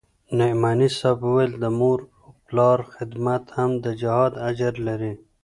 نعماني صاحب وويل د مور و پلار خدمت هم د جهاد اجر لري.